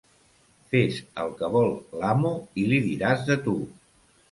Fes el que vol l'amo i li diràs de tu.